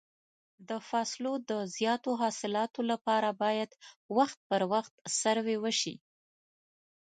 د فصلو د زیاتو حاصلاتو لپاره باید وخت پر وخت سروې وشي.